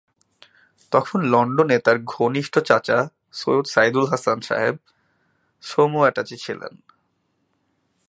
তখন লন্ডনে তাঁর কনিষ্ঠ চাচা সৈয়দ সায়ীদুল হাসান সাহেব শ্রম অ্যাটাচি ছিলেন।